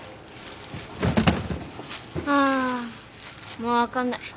もう分かんない。